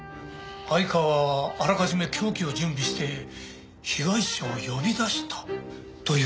相川はあらかじめ凶器を準備して被害者を呼び出したという事か？